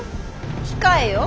控えよ。